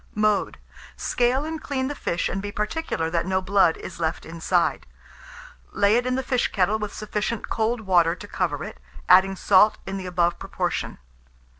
Mode. Scale and clean the fish, and be particular that no blood is left inside; lay it in the fish kettle with sufficient cold water to cover it, adding salt in the above proportion.